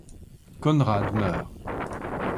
Conrad meurt.